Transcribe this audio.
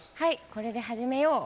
これで始めよう。